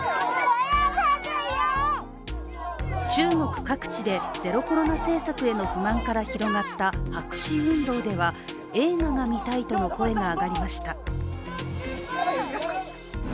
中国各地でゼロコロナ政策への不満から広がった白紙運動では映画が見たいとの声が上がりました。